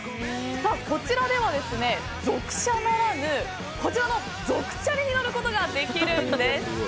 こちらでは旅車ならぬ族チャリに乗ることができるんです。